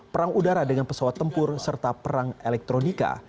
perang udara dengan pesawat tempur serta perang elektronika